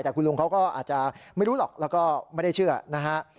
แต่คุณลุงเขาก็อาจจะไม่รู้หรอกแล้วก็ไม่ได้เชื่อนะฮะ